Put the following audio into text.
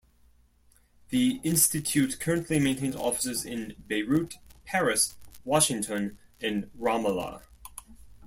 The Institute currently maintains offices in Beirut, Paris, Washington, and Ramallah.